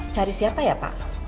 cari siapa ya pak